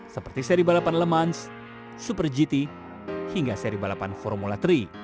seperti seri balapan lemans super gt hingga seri balapan formula tiga